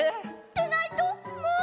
でないともう！